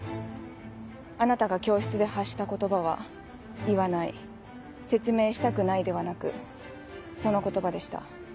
あなたが教室で発した言葉は「言わない」「説明したくない」ではなくその言葉でした。